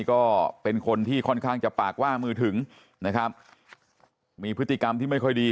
ก็เป็นคนที่ค่อนข้างจะปากว่ามือถึงนะครับมีพฤติกรรมที่ไม่ค่อยดี